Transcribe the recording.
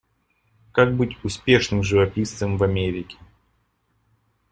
Как быть успешным живописцем в Америке.